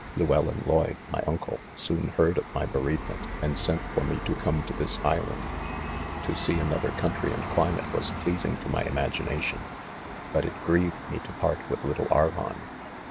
— Lewellyn Lloyd, my uncle, soon heard of my bereavement, and sent for me to come to this Island. * To see another country and climate was pleasing to my imagination ; but it grieved me to part with little Arvon.